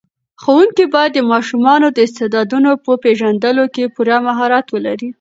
ښوونکي باید د ماشومانو د استعدادونو په پېژندلو کې پوره مهارت ولري.